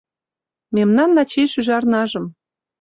Мемнан Начий шӱжарнажым